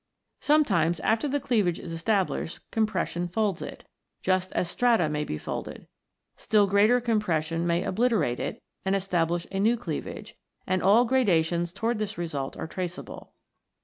Sometimes, after the cleavage is established, compression folds it, just as strata may be folded. Still greater compression may obliterate it and establish a new cleavage, and all gradations towards this result are traceable.